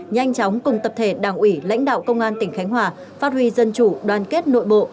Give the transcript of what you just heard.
nhanh chóng cùng tập thể đảng ủy lãnh đạo công an tỉnh khánh hòa phát huy dân chủ đoàn kết nội bộ